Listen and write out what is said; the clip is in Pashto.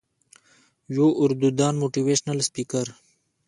يو اردو دان موټيوېشنل سپيکر